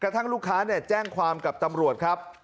ทั้งลูกค้าแจ้งความกับตำรวจครับ